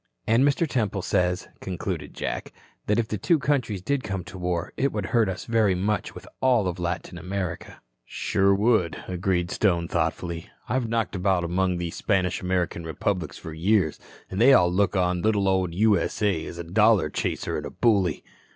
"And Mr. Temple says," concluded Jack, "that if the two countries did come to war, it would hurt us very much with all Latin America." "Sure would," agreed Stone thoughtfully. "I've knocked about among these Spanish American republics for years, an' they all look on the little old U.S.A. as a dollar chaser and a bully."